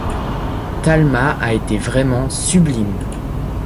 Talma a été vraiment sublime.